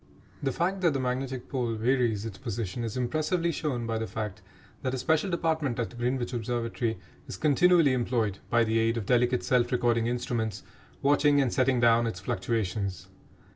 The fact that the magnetic pole varies its position is impressively shown by the fact that a special department at Greenwich Observatory is continually employed, by the aid of delicate self recording instruments, watching and setting down its fluctuations.